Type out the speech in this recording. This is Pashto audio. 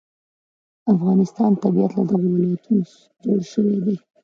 د افغانستان طبیعت له دغو ولایتونو جوړ شوی دی.